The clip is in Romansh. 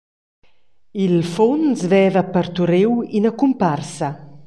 Il funs veva parturiu ina cumparsa.